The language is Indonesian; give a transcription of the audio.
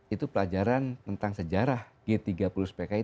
itu pelajaran tentang sejarah g tiga puluh s pki